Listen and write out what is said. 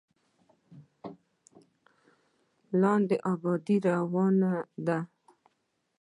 لاندې ابادي روانه ده.